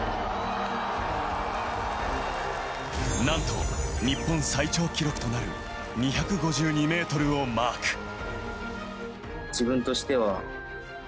なんと日本最長記録となる２５２ｍをマーク。